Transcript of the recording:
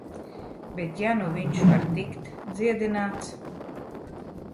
Bet ja nu viņš var tikt dziedināts...